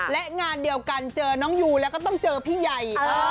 และงานเดียวกันเจอน้องยูแล้วก็ต้องเจอพี่ใหญ่